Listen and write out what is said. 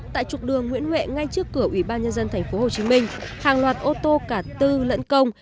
tại trục đường nguyễn huệ ngay trước cửa ủy ban nhân dân tp hcm hàng loạt ô tô cả tư lẫn công